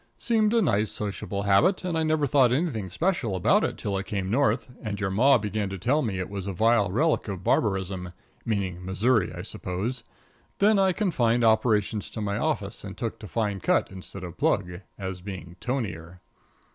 Seemed a nice, sociable habit, and I never thought anything special about it till I came North and your Ma began to tell me it was a vile relic of barbarism, meaning Missouri, I suppose. Then I confined operations to my office and took to fine cut instead of plug, as being tonier.